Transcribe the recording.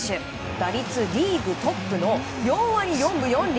打率リーグトップの４割４分４厘。